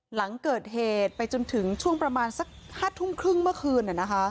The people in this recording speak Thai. หลังเกิดเหตุไปจนถึงช่วงประมาณสัก๕ทุ่มครึ่งเมื่อคืน